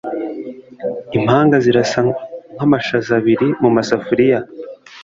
Impanga zirasa nkamashaza abiri mumasafuriya.